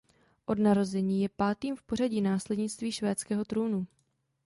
Od narození je pátým v pořadí následnictví švédského trůnu.